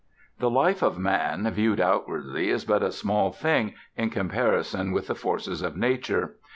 The life of Man, viewed outwardly, is but a small thing in comparison with the forces of Nature.